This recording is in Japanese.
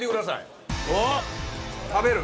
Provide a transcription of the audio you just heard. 食べる？